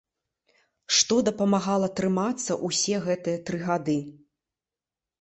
Што дапамагала трымацца ўсе гэтыя тры гады?